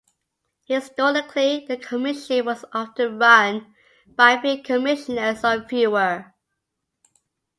Historically, the Commission was often run by three commissioners or fewer.